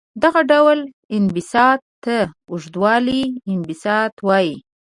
دغه ډول انبساط ته اوږدوالي انبساط وايي.